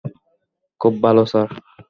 খুব ভাল স্যার।